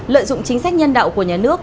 lợi dụng chính sách nhân đạo của nhà nước